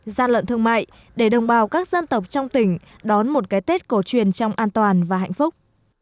gian lận thương mại để đồng bào các dân tộc trong tỉnh đón một cái tết cổ truyền trong an toàn và hạnh phúc